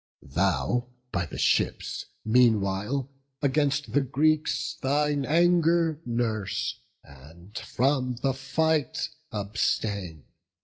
Thou by thy ships, meanwhile, against the Greeks Thine anger nurse, and from the fight abstain.